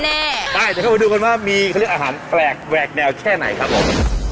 เดี๋ยวเข้ามาดูกันว่ามีเขาเรียกอาหารแปลกแหวกแนวแค่ไหนครับผม